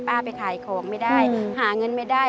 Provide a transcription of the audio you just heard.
ไปขายของไม่ได้หาเงินไม่ได้